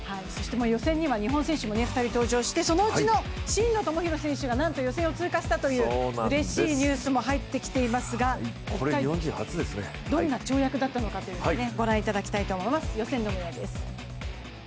予選には日本選手も２人登場してなんと予選を通過したといううれしいニュースも入ってきていますがどんな跳躍だったのかをご覧いただきたいと思います。